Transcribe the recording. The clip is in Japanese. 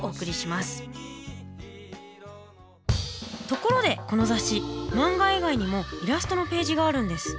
ところでこの雑誌漫画以外にもイラストのページがあるんです。